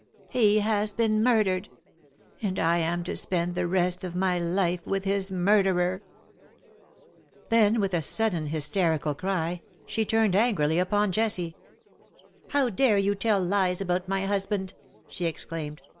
He has been murdered ! And I am to spend the rest of my life with his murderer !'^ Then, with a sudden hysterical cry, she turned angrily upon Jessie. " How dare you tell lies about my husband V^ she exclaimed.